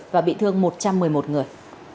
và bị thương một trăm một mươi một người